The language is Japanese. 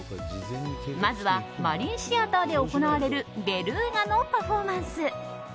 まずはマリンシアターで行われるベルーガのパフォーマンス。